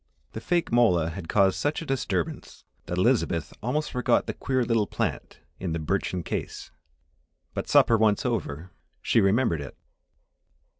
The fake mola had caused such a disturbance that Elizabeth almost forgot the queer little plant in the birchen case. But supper once over, she remembered it.